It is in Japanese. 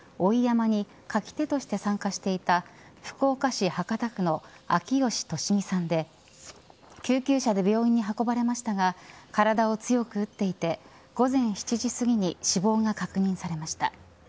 笠にかき手として参加していた福岡市博多区の秋吉敏実さんで救急車で病院に運ばれましたが体を強く打っていて午前７時すぎに死亡が確認されました。